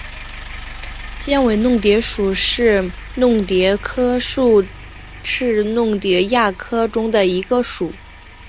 尖尾弄蝶属是弄蝶科竖翅弄蝶亚科中的一个属。